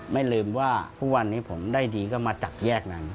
ไม่ลืมว่าทุกวันนี้ผมได้ดีก็มาจากแยกนั้น